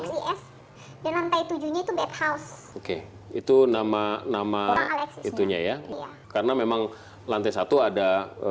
is dan lantai tujuh nya itu bathouse oke itu nama nama itunya ya karena memang lantai satu ada